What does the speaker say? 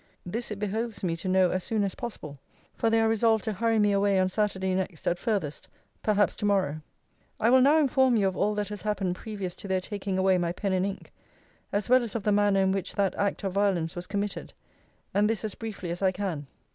This it behoves me to know as soon as possible; for they are resolved to hurry me away on Saturday next at farthest; perhaps to morrow. I will now inform you of all that has happened previous to their taking away my pen and ink, as well as of the manner in which that act of violence was committed; and this as briefly as I can.